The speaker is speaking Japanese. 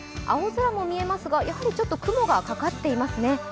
青空も見えますがやはり雲がかかっていますね。